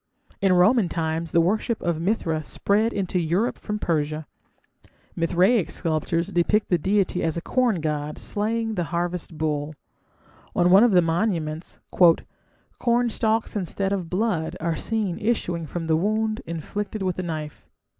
In Roman times the worship of Mithra spread into Europe from Persia. Mithraic sculptures depict the deity as a corn god slaying the harvest bull; on one of the monuments "cornstalks instead of blood are seen issuing from the wound inflicted with the knife".